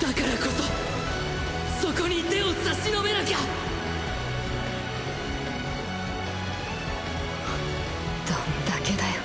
だからこそそこに手を差し伸べなきゃどんだけだよ